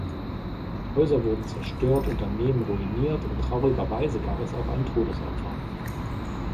Häuser wurden zerstört, Unternehmen ruiniert und traurigerweise gab es auch ein Todesopfer.